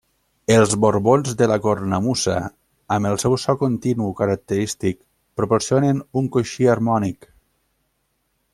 Els bordons de la cornamusa, amb el seu so continu característic, proporcionen un coixí harmònic.